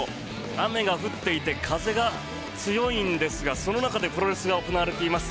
雨が降っていて風が強いんですがその中でプロレスが行われています。